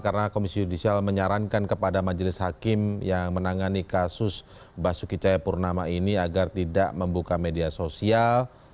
karena komisi yudisial menyarankan kepada majelis hakim yang menangani kasus basuki cayapurnama ini agar tidak membuka media sosial